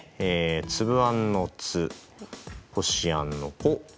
つぶあんの「つ」こしあんの「こ」